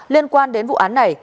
liên quan đến vụ án này